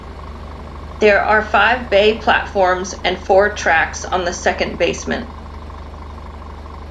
There are five bay platforms and four tracks on the second basement.